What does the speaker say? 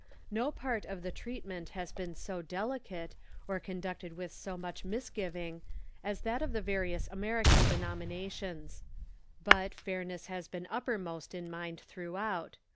No part of the treat ment has been so delicate, or conducted with so much misgiv ing, as that of the various American denominations. But fair ness has been uppermost in mind throughout.